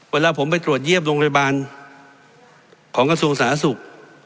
เวลาผมไปตรวจเยี่ยมโรงพยาบาลของกระทรวงสาธารณสุข